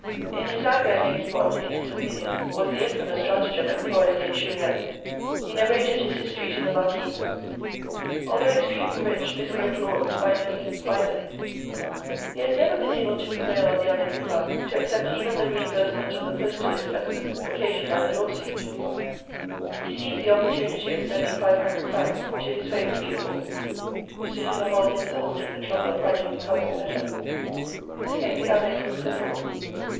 In his anger against what, in his opinion, was the infamous stratagem employed against Julien, he narrated his history to the Marquis. Although extremely rich, this great lord was by no means miserly. He had never been able to prevail on the abbe Pirard to accept even the reimbursement of the postal expenses occasioned by the lawsuit. He seized the opportunity of sending five hundred francs to his favourite pupil. M. de la Mole himself took the trouble of writing the covering letter. This gave the abbe food for thought.